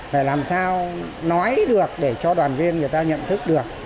phải làm sao nói được để cho đoàn viên người ta nhận thức được